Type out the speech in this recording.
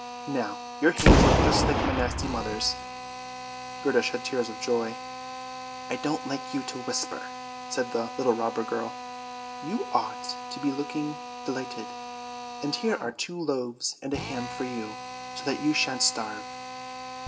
Now your hands look just like my nasty mother's." Gerda shed tears of joy. " I don't like you to whimper! " said the little robber girl. "You ought to be looking delighted; and here are two loaves and a ham for you, so that you shan't starve."